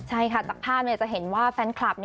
ใช่ค่ะจากภาพจะเห็นว่าแฟนคลับ